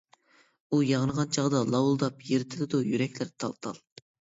ئۇ ياڭرىغان چاغدا لاۋۇلداپ، يىرتىلىدۇ يۈرەكلەر تال-تال.